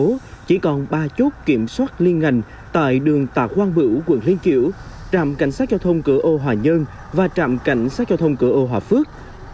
trên phương tiện được phép vào thành phố chỉ còn ba chốt kiểm soát liên ngành tại đường tà quang bửu quận lê kiểu trạm cảnh sát giao thông cửa âu hòa nhơn và trạm cảnh sát giao thông cửa âu hòa phước